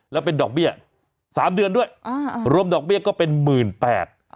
แล้วเป็นดอกเบี้ย๓เดือนด้วยรวมดอกเบี้ยก็เป็น๑๘๐๐๐บาท